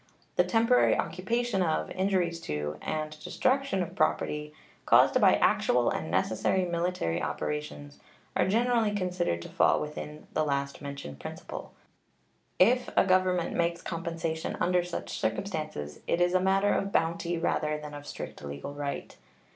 The temporary occupation of, injuries to, and destruction of property caused by actual and necessary military operations are generally considered to fall within the last mentioned principle. If a government makes compensation under such circumstances, it is a matter of bounty rather than of strict legal right.